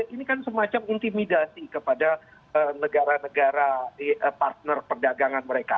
ini kan semacam intimidasi kepada negara negara partner perdagangan mereka